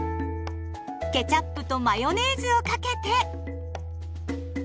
ケチャップとマヨネーズをかけて。